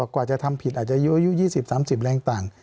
กว่าจะทำผิดอายุ๒๐๓๐ปีแรงต่าง